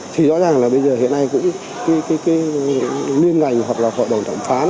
thì rõ ràng là bây giờ hiện nay cũng liên ngành hoặc là hội đồng thẩm phán